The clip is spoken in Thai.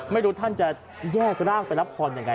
ไม่รู้ท่านจะแยกรากไปรับควรอย่างไร